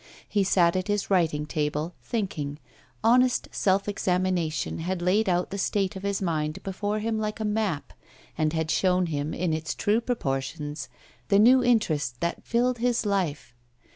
He sat at his writing table, thinking. Honest self examination had laid out the state of his mind before him like a map, and had shown him, in its true proportions, the new interest that filled his life.